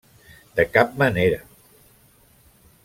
De cap manera.